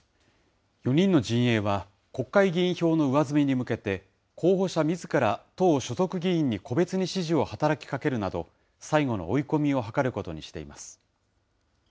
４人の陣営は、国会議員票の上積みに向けて、候補者みずから、党所属議員に個別に支持を働きかけるなど、最後の追い込みを図ることにしています。